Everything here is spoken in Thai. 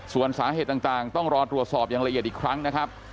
ส่วนสาเหตุต่างต้องรอตรวจสอบอย่างละเอียดอีกครั้งนะครับ